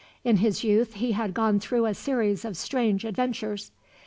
In his youth he had gone through a series of strange adventures.